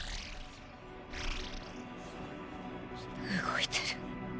動いてる。